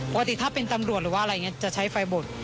ปกติถ้าเป็นตำรวจหรือว่าอะไรอย่างนี้จะใช้ไฟบด